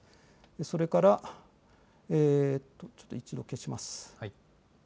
それから、ちょっと一度消します。